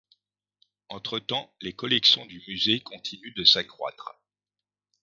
Entre-temps, les collections du musée continuent de s'accroître.